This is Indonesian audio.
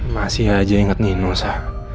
masih aja inget nino sa